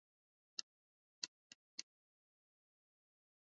Njoo kwetu leo